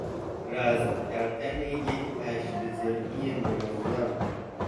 رسم کردن یک هشت ضلعی منظم